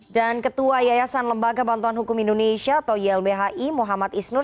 dan ketua yayasan lembaga bantuan hukum indonesia atau ylbhi muhammad isnur